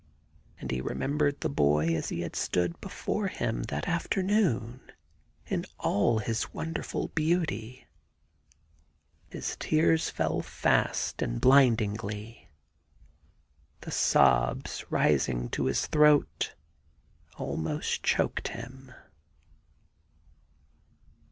And he re membered the boy as he had stood before him that afternoon in all his wonderful beauty. His tears fell fast and blindingly. The sobs rising to his throat almost choked him.